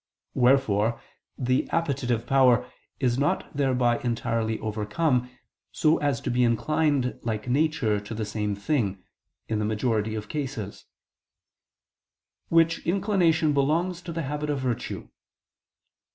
Wherefore the appetitive power is not thereby entirely overcome, so as to be inclined like nature to the same thing, in the majority of cases; which inclination belongs to the habit of virtue.